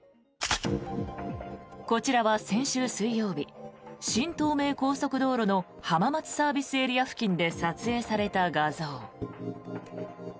こちらは先週水曜日新東名高速道路の浜松ＳＡ付近で撮影された画像。